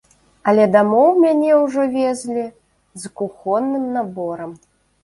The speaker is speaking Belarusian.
Але дамоў мяне ўжо везлі з кухонным наборам.